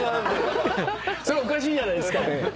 それはおかしいじゃないですか。